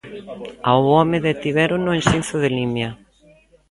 Ao home detivérono en Xinzo de Limia.